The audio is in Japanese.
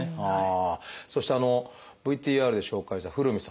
そしてＶＴＲで紹介した古海さん。